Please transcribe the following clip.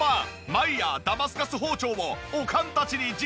マイヤーダマスカス包丁をおかんたちに実演販売。